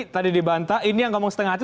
tadi dibantah ini yang ngomong setengah hati